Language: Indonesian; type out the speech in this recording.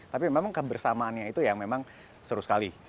tapi memang kebersamaannya itu yang memang seru sekali